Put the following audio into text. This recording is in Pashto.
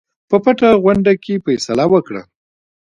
په پټه غونډه کې فیصله وکړه.